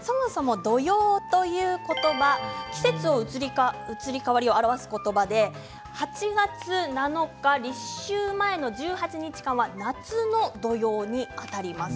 そもそも土用ということば季節の移り変わりを表すことばで８月７日の立秋前の１８日間が夏の土用にあたります。